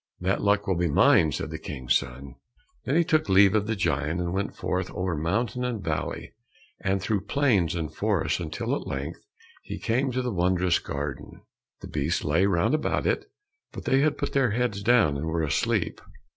"That luck will be mine," said the King's son. Then he took leave of the giant, and went forth over mountain and valley, and through plains and forests, until at length he came to the wondrous garden. The beasts lay round about it, but they had put their heads down and were asleep.